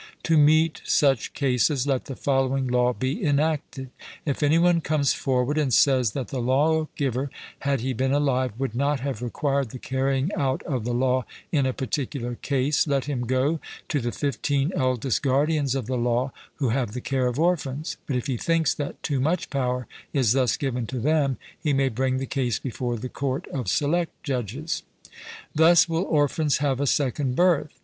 To meet such cases let the following law be enacted: If any one comes forward and says that the lawgiver, had he been alive, would not have required the carrying out of the law in a particular case, let him go to the fifteen eldest guardians of the law who have the care of orphans; but if he thinks that too much power is thus given to them, he may bring the case before the court of select judges. Thus will orphans have a second birth.